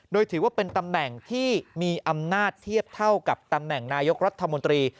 โดยถือว่าเป็นตำแหน่งที่มีอำนาจเทียบเท่ากับตำแหน่งนายกรัฐมนตรี